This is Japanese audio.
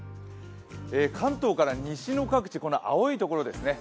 関東から西の各地、青いところですね